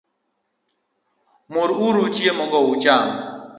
Mur uru chiemo go ucham